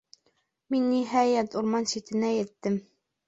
Мин, ниһайәт, урман ситенә еттем.